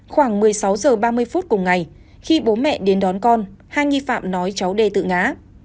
khoảng một mươi sáu h ba mươi phút cùng ngày khi bố mẹ đến đón con hai nghi phạm nói cháu đê tự ngã